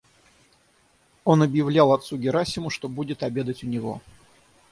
Он объявлял отцу Герасиму, что будет обедать у него.